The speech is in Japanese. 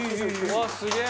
うわっすげえ！